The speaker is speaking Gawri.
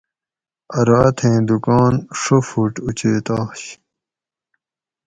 ارو اتھی دکان ڛو فُٹ اُچیت آش